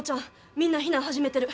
みんな避難始めてる。